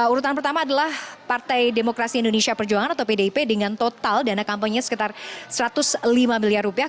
urutan pertama adalah partai demokrasi indonesia perjuangan atau pdip dengan total dana kampanye sekitar satu ratus lima miliar rupiah